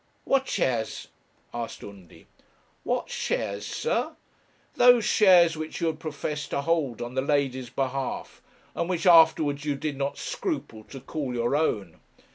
'What shares?' asked Undy. 'What shares, sir? Those shares which you had professed to hold on the lady's behalf, and which afterwards you did not scruple to call your own.